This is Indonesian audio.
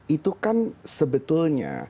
itu kan sebetulnya